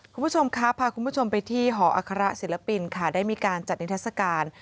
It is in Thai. เอาส่งคะพากุ้งว่าชมเผยที่ห่ออัศิลปินค่ะได้มีการจัดนิทาศกาล